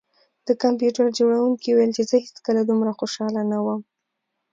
د کمپیوټر جوړونکي وویل چې زه هیڅکله دومره خوشحاله نه وم